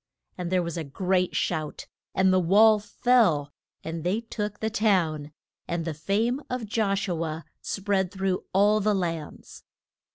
and there was a great shout and the wall fell, and they took the town; and the fame of Josh u a spread through all the lands.